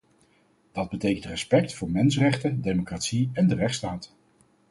Dat betekent respect voor mensenrechten, democratie en de rechtsstaat.